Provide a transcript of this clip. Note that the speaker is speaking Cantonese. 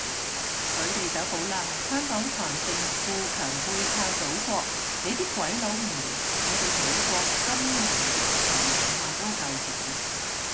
佢哋走寶喇，香港繁盛富強背靠祖國，你啲鬼佬唔嚟，我哋祖國金融人才南下都夠做